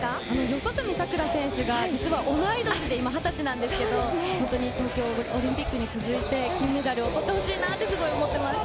四十住さくら選手が実は同い年で２０歳なんですけど、東京オリンピックに続いて金メダルを取ってほしいなって思ってます。